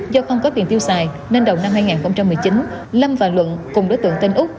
do không có tiền tiêu xài nên đầu năm hai nghìn một mươi chín lâm và luận cùng đối tượng tên úc